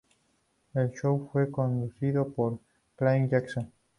El show fue conducido por Craig Jackson.